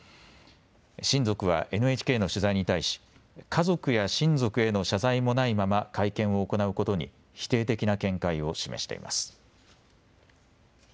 親族はＮＨＫの取材に対し家族や親族への謝罪もないまま会見を行うことに否定的な見解を示しています。